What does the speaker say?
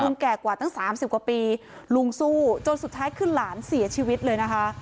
แก่กว่าตั้งสามสิบกว่าปีลุงสู้จนสุดท้ายคือหลานเสียชีวิตเลยนะคะ